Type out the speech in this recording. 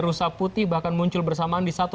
rusa putih bahkan muncul bersamaan di satu